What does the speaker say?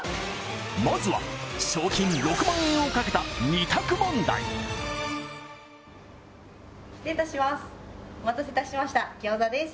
まずは賞金６万円をかけた２択問題失礼いたします